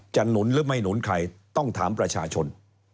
หนุนหรือไม่หนุนใครต้องถามประชาชน